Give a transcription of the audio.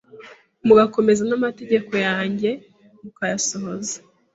mugakomeza n’amategeko yanjye, mukayasohoza.